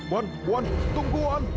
won won tunggu won